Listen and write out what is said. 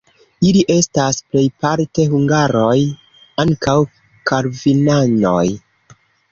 Ili estas plejparte hungaroj, ankaŭ kalvinanoj.